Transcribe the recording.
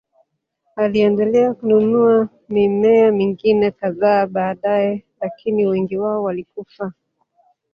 Aliendelea kununua mimea mingine kadhaa baadaye, lakini wengi wao walikufa.